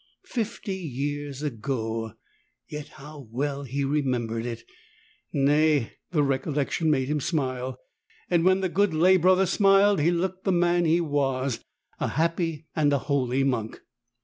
Fifty years ago ! yet how well he remembered it. Nay, the recollection made him smile; and when the good lay brother smiled he looked the man he was — a happy and a holy monk.